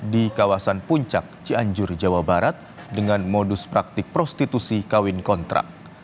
di kawasan puncak cianjur jawa barat dengan modus praktik prostitusi kawin kontrak